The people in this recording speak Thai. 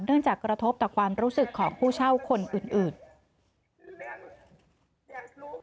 จากกระทบต่อความรู้สึกของผู้เช่าคนอื่น